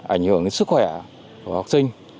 ảnh hưởng đến sức khỏe của học sinh